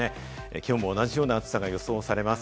きょうも同じような暑さが予想されます。